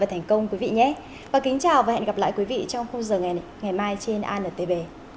hẹn gặp lại quý vị trong khu giờ ngày mai trên antv